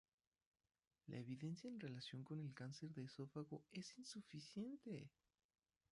La evidencia en relación con el cáncer de esófago es insuficiente.